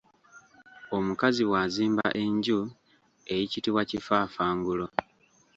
Omukazi bwazimba enju eyitibwa kifaafangulo.